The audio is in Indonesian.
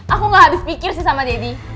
aku gak habis pikir sih sama deddy